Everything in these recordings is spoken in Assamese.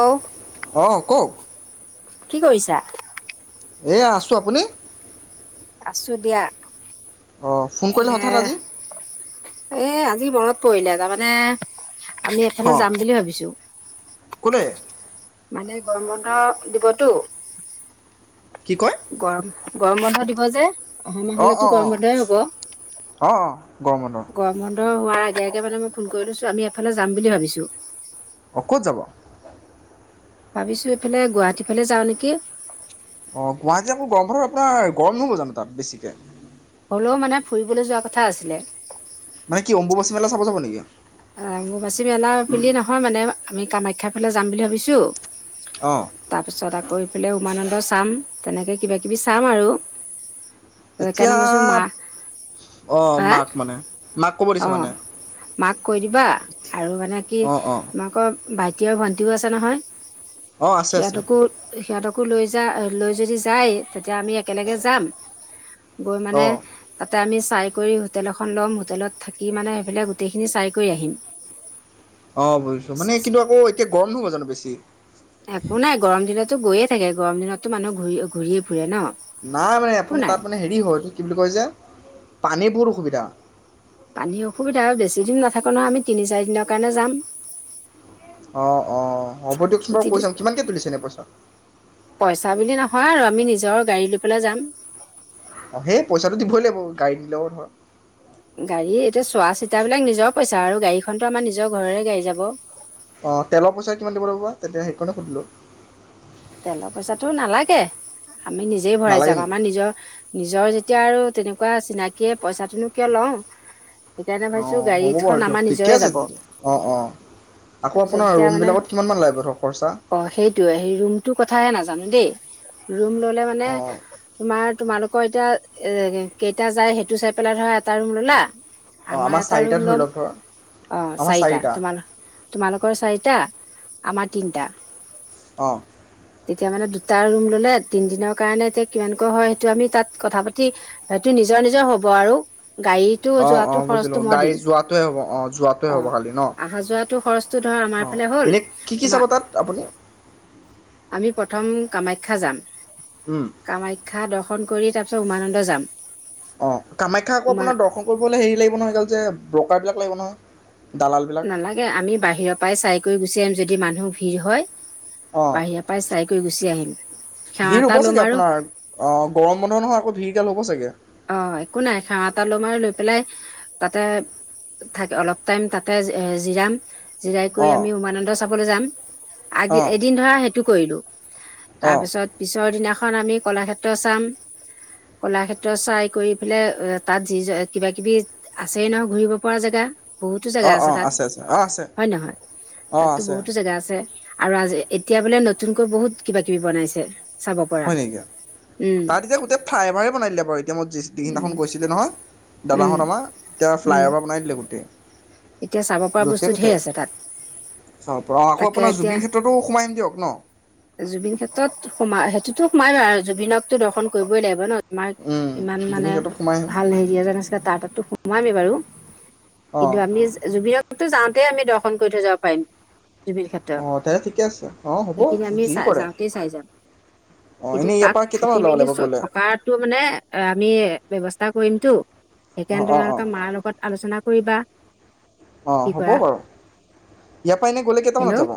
হেল্ল' অঁ কওক। কি কৰিছা? এইয়া আছোঁ আপুনি? আছো দিয়া। অঁ ফোন এ কৰিলে হঠাৎ আজি। এ আজি মনত পৰিলেে তাৰমানে। আমি এফালে যাম বুলি ভাবিছো? কোনে। মানে গৰম বন্ধ দিবতো। কি কয় গৰম গৰম বন্ধ দিব যে। অহা অঁ মাহলে তো অঁ গৰম অঁ বন্ধই হব অঁ অঁ গৰম বন্ধ গৰম বন্ধ। হোৱাৰ আগে আগে মানে মই ফোন কৰি থৈছোঁ আমি এফালে যাম বুলি ভাবিছোঁ? অ কত যাব। ভাবিছো এইফালে গুৱাহাটী ফালে যাওঁ নেকি? অ গুৱাহাটী আকৌ গৰম বন্ধত আপোনাৰ গৰম নহ'ব জানো তাত বেছিকে? হ'লেও মানে ফুৰিবলৈ যোৱা কথা আছিলে? মানে কি অম্বুবাচী মেলা চাব যাব নেকি? অম্বুবাচী মেলা বুলিয়ে নহয় মানে। আমি কামাখ্যাৰ ফালে যাম বুলি ভাবিছো? অঁ তাৰ পিছত আকৌ এইফালে। উমানন্দ চাম তেনেকৈ কিবা কিবি চাম আৰু। সেইকাৰণে এতিয়া মই কৈছো মা অ হা মাক মানে মাক ক'ব দিছে অ মানে। মাক কৈ দিবা আৰু মানে কি অঁ অঁ মাকক। ভাইটি আৰু ভণ্টিও আছে নহয়? অঁ আছে আছে সিহঁতকো সিহঁতক। কু লৈ যা লৈ যদি যায় তেতিয়া আমি একেলগে যাম গৈ মানে অঁ তাতে আমি চাই কৰি হোটেল এখন ল'ম হোটেলত থাকি মানে সেইফালে গোটেইখিনি চাই কৈ আহিম অ বুজিছো মানে কিন্তু আকৌ এতিয়া গৰম নহব জানো বেছি একো নাই গৰম দিনত গৈয়ে থাকে গৰম দিনতো মানুহ ঘূৰি ঘূৰি ফুৰে ন নাই মানে একো আপোনাৰ নাই তাত মানে হেৰি হয় কি বুলি কয় যে পানী বহুত অসুবিধা পানীৰ অসুবিধা হয় বেছি দিন নাথাকো নহ আমি তিনি চাৰি দিনৰ কাৰণে যাম অ অ হ'ব দিয়কচোন বাৰু তিনি পইচা কিমানকে তুলিছে এনে পইচা। জানিলি নহয় আমি নিজৰ গাড়ী লৈ পেলাই যাম। অ সেই পইচাটো দিবই লাগিব গাড়ীত দিলেও ধৰ। গাড়ী এতিয়া চোৱা চিতাবলাক নিজৰ পইচা আৰু গাড়ীখনতো আমাৰ নিজৰ ঘৰৰে গাড়ী যাব। অঁ তেলৰ পইচা কিমান দিব লাগিব তেতিয়া সেইকাৰণে সুধিলোঁ। তেলৰ পইচাটো নালাগে। আমি নিজেই ভৰাই নালাগে যাম নেকি আমাৰ নিজৰ নিজৰ যে। এতিয়া আৰু তেনেকুৱা চিনাকিয়ে পইচাটোনো কিয় লওঁ সেইকাৰণে অঁ ভাবিছো হ'ব গাড়ীখন বাৰু আমাৰ দিয়ক ঠিকে নিজৰে আছে যাব অঁ অঁ আকৌ তাৰপিছত আপোনাৰ এতিয়া মানে ৰুমবিলাকত কিমান মান লাগিব ধৰ খৰচা। সেয়া নাজানো দেই ৰুম ললে মানে অ তোমাৰ তোমালোক। তই এতিয়া কেইটা যাই সেইটো চাই পেলাই ধৰা এটা ৰুম ললা। অ আমাৰ এটা চাৰিটা ৰুম ধৰি ল'ম লওক ধৰ অ চাৰিটা তোমালোকৰ চাৰিটা। আমাৰ তিনিটা অ তেতিয়া মানে দুটা ৰুম ললে তিন দিনৰ কাৰণে এতিয়া কিমানকৈ হয় সেইটো আমি তাত কথা পাতি সেইটো নিজৰ নিজৰ হব আৰু। গাড়ীটো অ অ যোৱাটো খৰচটো বুজিলো মই গাড়ী দিম যোৱাটোৱে হব আহ যোৱাটোৱে অ হ'ব খালি ন অহা যোৱাটো খৰচটো ধৰ আমাৰ অ ফালে হ'ল এনে কি কি চাব তোমাৰ তাত আপুনি আমি প্ৰথম কামাখ্যা যাম। উম কামাখ্যা দৰ্শন দৰ্শন কৰি তাৰপিছত উমানন্দ যাম অ কামাখ্যা আকৌ উমান আপোনাৰ দৰ্শন কৰিবলৈ হেৰি লাগিব নহয় পাইবিলাক লাগিব ন। [unintelligible] নালাগে আমি বাহিৰৰ পৰাই চাই কৰি গুচি আহিম যদি। যদি মানুহ ভিৰ হয় অ বাহিৰ পৰাই চাই কৈ গুচি আহিম। সেৱা ভিৰ এটা হব ল'ম চাগে আৰু আপোনাৰ অ গৰম বন্ধ নহয় আকৌ ভিৰ এতিয়া ল'ব চাগে। অ একো নাই সেৱা এটা লম আৰু লৈ পেলাই তাতে থাক অলপ টাইম তাতে জিৰাম জিৰাই কৰি অঁ আমি উমানন্দ চাবলৈ যাম। আগ অঁ এদিন ধৰা সেইটো কৰিলো। তাৰ অঁ পিছত পিছৰ দিনা পিছৰদিনাখন আমি কলাক্ষেত্ৰ চাম কলাক্ষেত্ৰ চাই কৰি পেলাই তাত যি কিবা কিবি আছেই নহ ঘূৰিব নোপোৱা জেগা। বহুতো জেগা অঁ আছে অঁ তাত অঁ আছে হয় নহয় অঁ তাতো আছে বহুতো জেগা আছে। আৰু আজ এতিয়া বোলে নতুনকৈ বহুত কিবা কিবি বনাইছে। চাব পৰা হয় নেকি উম তাত এতিয়া গোটেই ফ্লাইভাৰে বনাই দিলে বাৰু এতিয়া মই যি দি দিনাখন উম গৈছিলে নহয় উম দাদাহত আমাৰ এতিয়া ফ্লাই উম অভাৰ বনাই দিলে গোটেই। এতিয়া চাব পৰা য'তে বস্তু ত'তে ঢেৰ আছে তাত, চাব পৰা অঁ আকৌ তাকে আপোনাৰ এতিয়া জুবিন ক্ষেত্ৰতো সোমাই আহিম দিয়ক ন জুবিন ক্ষেত্ৰত সোমা সেইটোতো মই জুবিনকতো দৰ্শন কৰিবই লাগিব ন। আমাৰ উম, ইমান জুবিন মানে ক্ষেত্ৰত সোমাই আহিম ভাল হেৰি এজন আছিলে তাঁ তাততো সোমোৱামেই বাৰু। অঁ কিন্তু আমি তে যাওঁতে আমি দৰ্শন কৰি থৈ যাব পাৰিম। জুবিন ক্ষেত্ৰ, অঁ তেন্তে ঠিকে আছে অঁ হ'ব সেইখিনি আমি যি চাই কৰে যাওঁতে চাই যাম অঁ কিন্তু এনেই ইয়াৰ তাত পৰা থাকি কেইটামানত ওলাব মেলি লাগিব গ'লে থকা মানে আমি ব্যৱস্থা [unintelligible] সেইকাৰণে অঁ অঁ অঁ তোমালোকৰ মাৰ লগত আলোচনা কৰিবা। অঁ কি হ'ব কৰা বাৰু ইয়াৰ পৰা এনেই গ'লে কেইটামানত হেল্ল' যাব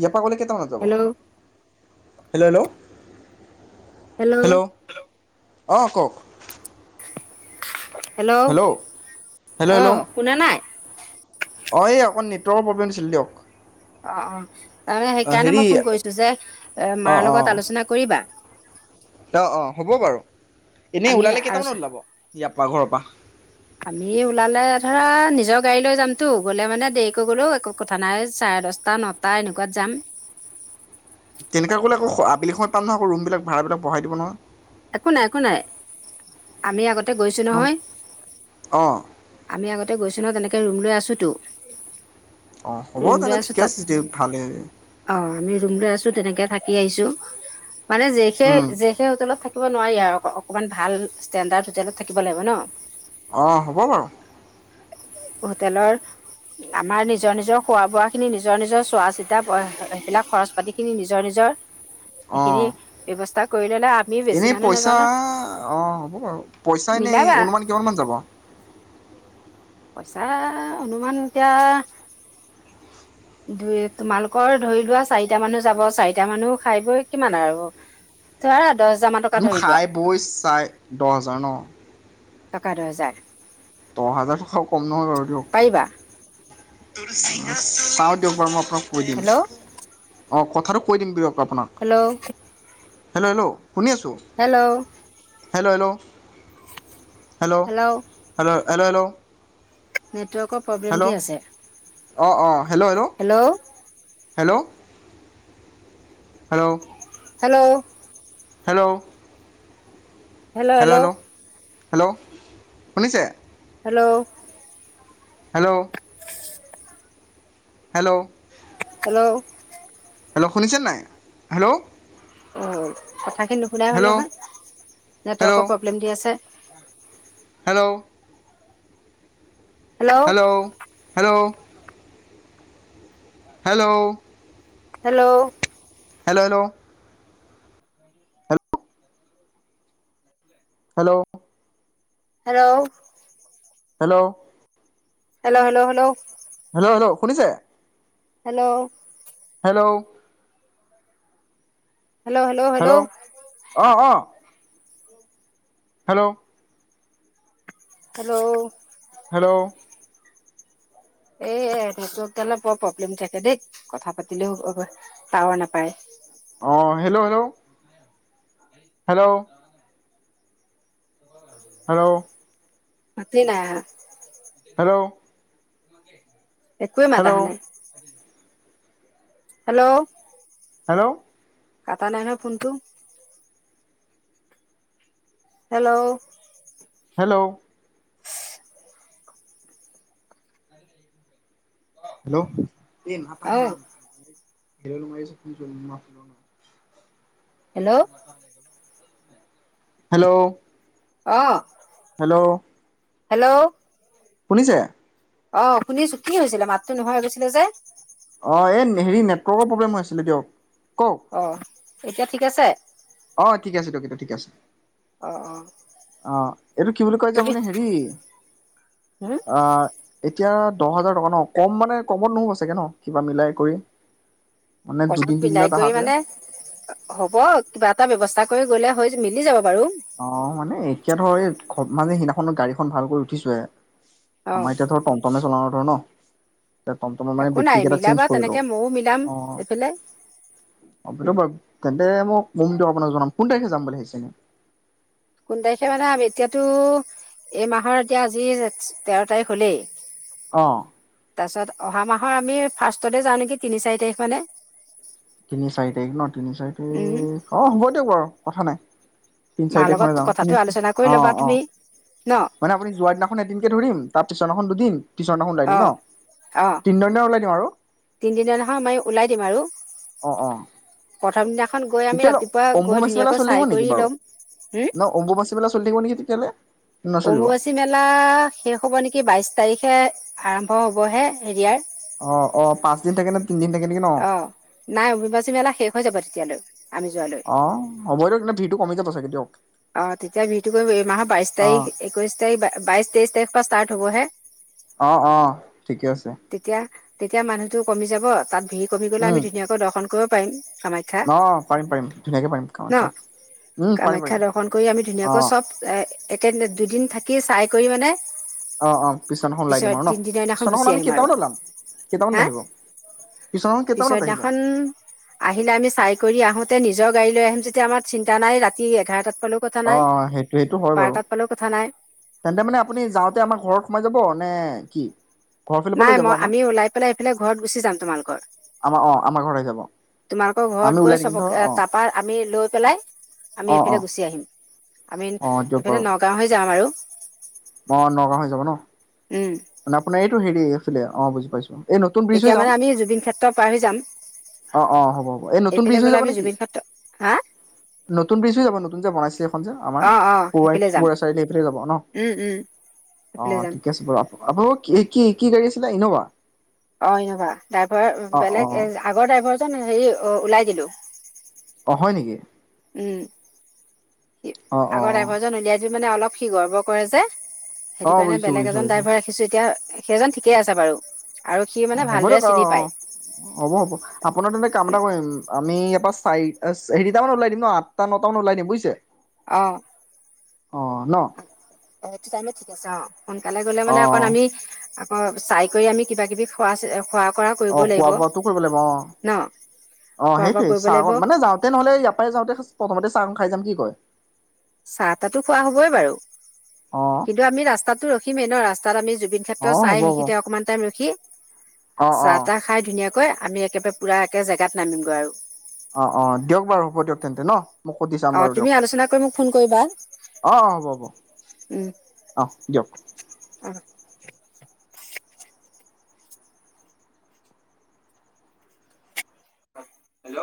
ইয়াৰ পৰা গ'লে কেইটামানত হেল্ল' হেলো হেলো'। হেল্ল' অঁ কওক। হেল্ল' হেল্ল' অ হেল্ল' শুনা নাই অ এই অকণ নিত ৰ প্ৰব্লেম আছিল দিয়ক। অ অ তাৰমানে অঁ সেইকাৰণে হেৰি মই ফোন কৰিছো যে এ মাৰ লগত আলোচনা কৰিবা। অ অ হ'ব বাৰু। এনেই আমি ওলালে কেইটামানত আলোচনা ওলাব? ইয়াৰ পৰা ঘৰৰ পৰা। আমি ওলালে ধৰা নিজৰ গাড়ী লৈ যামতো গলে মানে দেৰিকৈ গলো একো কথা নাই চাৰে দশটা নটা এনেকুৱাত যাম। তেনেকা গ'লে আক আবেলি সমতাম নহ আকৌ ভাড়াৰুমৰ বিলাক বঢ়াই দিলে নহয়। একো নাই একো নাই আমি আগতে গৈছো নহয় অঁ আমি আগতে গৈছো নহয় তেনেকে ত ৰুম লৈ আছোতো। অঁ হ'ব ৰুম লৈ তেন্তে আছো ঠিকে তাত আছে যদি ভালেই অ আমি ৰুম লৈ আছো তেনেকে থাকি আহিছো। মানে জে জেষে হোটেলত থাকে। থব নোৱাৰি আৰু অকনমান ভাল ষ্টেণ্ডাৰ্ড হোটেলত থাকিব লাগিব ন। অঁ হ'ব বাৰু। হোটেলৰ আমাৰ নিজৰ নিজৰ খোৱা বোৱা খিনি নিজৰ নিজৰ চোৱা চিতা সেইবিলাক খৰচ পাতি খিনি নিজৰ নিজৰ। অঁ সেইখিনি ব্যৱস্থাত। এনেই পইচা অ হ'ব পইচা এনেই মিলাবা অনুমান কিমান মান যাব। পইচা অনুমান এতিয়া দুই তোমালোকৰ ধৰি লোৱা চাৰিটা মানুহ যাব চাৰিটা মানুহ খাই বৈ কিমান আৰু ধৰা। দহ হাজাৰ মান টকা মোৰ ধৰি লোৱা খাই বৈ চাই দহ হাজাৰ ন। টকাৰ দহ হাজাৰ। দহ হাজাৰোও কম। নৰ অডিও পাৰিবা চাওঁ দিও বা মই। কৈ দিম হেল্ল' অ কথাটো কৈ দিম দিয়ক। আপোনাক হেল্ল' হেল্ল' হেল্ল' শুনি আছোঁ hello hello hello hello hello hello hello network আকৌ প্ৰব্লেম দি আছে। অ অ hello hello hello hello hello hello hello hello hello শুনিছে hello hello hello hello hello শুনিছে নাই হেল্ল' অহ কথাখিনি নুশুনাই হ'ল হেল্ল' নহয় নেটৱৰ্কৰ হেল্ল' প্ৰব্লেম দি আছে উ hello hello hello hello hello hello hello [inaudible] hello hello hello hello hello hello hello শুনিছে hello hello hello hello hello অঁ অঁ হেল্ল' হেল্ল' হেল্ল' এ নেৰ্তৱকডালে বৰ প্ৰব্লেম দি থাকে দেই কথা পাতিলেও টাৱাৰ নাপায় অ হেল্ল' হেল্ল' হেল্ল' হেল্ল' মাতে নাই অহা হেল্ল' [unintelligible] একোৱে মাতা আহা হেল্ল' নাই হেল্ল' হেল্ল' কটা নাই ন ফোনটো হেল্ল' হেল্ল' হেল্ল' এই মাত আহা অ', নাই হেল্ল হেল্ল মাইছে কিন্তু মাত ন অহা নাই। হেল্ল' হেল্ল' অ হেল্ল' হেল্ল' শুনিছে? অ শুনিছো কি হৈছিলে মাতটো নোহোৱা হৈ গৈছিলে যে? অ এই হেৰি নেটৱৰ্কৰ প্ৰব্লেম হৈ আছিলে দিয়ক। কওক অ এতিয়া ঠিক আছে? অ ঠিক আছে দিয়ক ঠিকে আছে। অ অ অ এইটো কি বুলি কয় যে তুমি আপুনি হেৰি হম, অ এতিয়া দহ হাজাৰ টকা ন কম মানে কমত নহ'ব চাগে ন কিবা মিলাই কৰি। মানে দুদিন কমত মিলাই তিনিদিনত কৰি আহাকে মানে হ'ব কিবা এটা ব্যৱস্থা কৰি গ'লে হয় মিলি যাব। বাৰু অ মানে এতিয়া ধৰ এই মানে সেইদিনাখনো গাড়ীখন খন ভাল কৰি উঠিছোহে। অ আমাৰ এতিয়া ধৰ টমটমে চলাওঁ আৰু ন? এতিযায় টমটমৰ মানে একো বেটৰী নাই কেইটা চেঞ্জ মিলাবা কৰিলো তেনেকে ময়ো মিলাম অ এইফালে অ ব বা তেন্তে মোক কম আপোনাক জনাম কোন তাৰিখে যাম বুলি ভাবিছে? কোন তাৰিখে মানে এতিয়াতো এই মাহৰ এতিয়া আজি তেৰ তাৰিখ হলেই অহ তাৰপাছত অহা মাহৰ আমি ফাৰ্ষ্টতে যাওঁ নেকি তিনি চাৰি তাৰিখ মানে। তিনি চাৰি তাৰিখ ন তিনি চাৰি উম তাৰিখ অ হ'ব দিয়ক বাৰু। কথা নাই। তিনি চাৰি মাৰ তাৰিখ মানে লগত যাওঁ তিনি কথাটো আলোচনা কৰি অ', ল'বা অ', তুমি। ন মানে আপুনি যোৱাৰ দিনাখন এদিনকে ধৰিম? তাৰপিছত এখন দুদিন। টিশনাখন ওলাই দিম অ ন তিনিজন ওলাই দিওঁ আৰু। তিনিদিনাখন আমইি ওলাই দিম আৰু প্ৰথম দিনা তেতিয় অম্বুবাচী মেলা চল থাকিব নেকি কৰি বাৰু ল'ম হম ন অম্বুবাচী মেলা চল থাকিব নেকি? কেলে? অম্বুবাচী মেলা শেষ হ'ব নেকি বাইশ তাৰিখ আৰম্ভ হবহে হেৰিয়াৰ অ অ পাঁচদিন থাকে নে তিনদিন থাকে নেকি ন? অ নাই অম্বুবাচী মেলা শেষ হৈ যাব তেতিয়ালৈ। আমি যোৱালৈ অ হ'ব দিয়ক তেন্তে ভিটো কমি যাব চাগে। [unintelligible] দিয়ক। অ তেতিয়া বিহটো কৰিব এই মাহৰ বাইশ অ', তাৰিখ একৈশ তাৰিখ বাইশ তেইশ তাৰিখ পৰা ষ্টাৰ্ট থ'বহে। অ অ ঠিকে আছে। তেতিয়া তেতিয়া মানুহটো কমি যাব, তাত ভিৰ কমি গ'লে আমি উম। ধুনীয়াকৈ দৰ্শন কৰিব পাৰিম। কামাখ্যা অ পাৰিম পাৰিম ধুনীয়াকে পাৰিম কামখ্যা, উম পাৰিম পাৰি কে দৰ্শন কৰি আমি ধুনীয়াকৈ চব একে, দুদিন থাকি চাই কৰি মানে অ অ পিছদিনাখন ওলাই দিম পিছত আৰু ন তিনদিনৰ দিনাখন পিছদিনাখন গুচি আমি আহিম আৰু। কেইটামানত ওলাম কেইটামানত হা? আহিব পিছদিনাখন পিছৰ কেইটামানত আহিব দিনাখন আহিলে আমি চাই কৰি আহোতে নি নিজৰ গাড়ী লৈ আহিম যেতিয়া আমাৰ চিন্তা নাই ৰাতি এঘাৰতা অ সেইটো সেইটো হয় বাৰু পালেও কথা নাই তেন্তে মানে আপুনি যাওঁতে আমাৰ ঘৰত সোমাই যাব নে কি? ঘৰৰ ফালৰ পৰা নাই লৈ যাব মই আমাক আমি ওলাই পেলাই সেইফালে ঘৰত গুচি যাম তোমালোকৰ। আমাৰ অ আমাৰ ঘৰত আহি যাব তোমালোকৰ আমি ঘৰত গৈ ওলাই দিম ধৰ চবকে অ তাৰাপা আমি লৈ পেলাই আমি অ এইফালে অ গুচি আহিম। আমি অ দিয়ক এইফালে বাৰু নগাঁও হৈ যাম আৰু। অ নগাঁও হৈ যাব ন? উম মানে আপোনাৰ এইটো হেৰি আছিলে অ বুজি পাইছোঁ। এ নতুন ব্ৰিজ হৈ তেতিয়া যাম? মানে আমি জুবিন ক্ষেত্ৰ পাৰ হৈ যাম অ অ হ'ব হ'ব। এই নতুন এইফালে ব্ৰিজ হৈ গ'লে যাব আমি নেকি? জুবিন ক্ষেত্ৰ হা নতুন ব্ৰিজ হৈ যাব নতুন যে বনাইছে এইখন যে আমাৰ অ অ সেইফালে যাম পৰুৱা চাৰিআলি এইফালে যাব ন? উম উম সেইফালে অঁ যাম ঠিকে আছে বাৰু কি গাড়ী আছিলে, ইনোভা? অ ইনোভা। ড্ৰাইভাৰ অ বেলেগ এ আগৰ ড্ৰাইভাৰ জন হেৰি ওলাই দিলো। অ হয় নেকি? উম। অ অ আগৰ অ ড্ৰাইভৰজন উলিয়াই সি মানে অলপ সি গৰ্বৰ কৰে যে। অ সেইটো কাৰণে বুজিছো বেলেগ বুজিছো এজন বুজিছো ড্ৰাইভাৰ ৰাখিছোঁ এতিয়া সেইজন ঠিকেই আছে বাৰু। আৰু সি অ মানে হ'ব ভালদৰে দিয়ক অ চিনি পায় অ হ'ব হ'ব। আপোনাৰ তেন্তে কাম এটা কৰিম আমি ইয়াৰপা চাৰি হেৰিটা মানত ওলাই দিম ন আঠটা নটা মানত ওলাই দিম বুইছে? অ অ ন সেইটো টাইমে ঠিক আছে। অ সোনকালে গলে অ মানে অকণ আমি অ চাই কৰি আমি কিবা কিবি খোৱা খোৱা কৰা অ কৰিবই লাগিব খোৱা বোৱটো কৰিব লাগিব অ ন অ, খোৱা বোৱা সেইটোৱেই কৰিব লাগিব চাহত মানে যাওঁতে নহলে ইয়াৰ পৰাই যাওঁতে প্ৰথমতে। চাহ খাই যাম নে কি কয়? চাহ তাতো খোৱা হবই বাৰু, অ কিন্তু আমি ৰাস্তাতটো ৰখিমেই ন ৰাস্তা। ৰাস্তাত আমি। জুবিন অ ক্ষেত্ৰ হ'ব চাই হ'ব সেইখিতে অকমান টাইম ৰখি। অ অ চাহ তাহ খাই ধুনীয়াকৈ। কি কয় আমি একেবাৰে পুৰা একে জেগাত নামিমগৈ আৰু। অ অ দিয়ক বাৰু হ'ব দিয়ক তেন্তে ন মই সুধি চাম অ বাৰু তুমি দিয়ক। আলোচনা কৰি মোক ফোন কৰিবা অ'- অ 'হব হব দিয়ক উম। [inaudible]